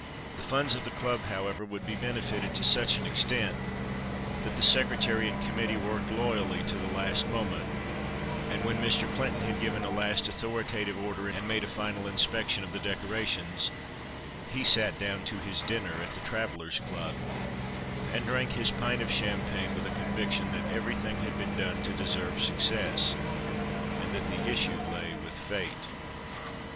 The funds of the Club, however, would be benefited to such an extent, that the secretary and committee worked loyally till the last moment, and when Mr. Clinton had given a last authoritative order, and made a final inspection of the decorations, he sat down to his dinner at the Travellers' Club, and drank his pint of champagne with a conviction that everything had been done to deserve success, and that the issue lay with Fate.